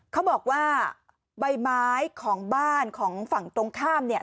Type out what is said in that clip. เขาบอกว่าใบไม้ของบ้านของฝั่งตรงข้ามเนี่ย